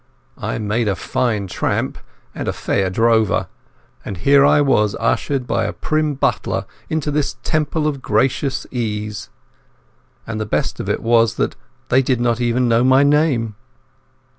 I made a fine tramp and a fair drover; and here I was ushered by a prim butler into this temple of gracious ease. And the best of it was that they did not even know my name.